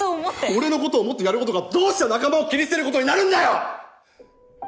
俺の事を思ってやる事がどうして仲間を切り捨てる事になるんだよ！？